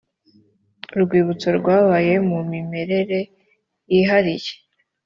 urwibutso rwabaye mu mimerere yihariye